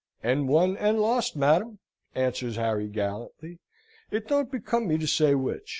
"And lost and won, madam!" answers Harry, gallantly. "It don't become me to say which.